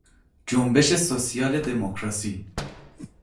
جنبش سوسیال دموکراسی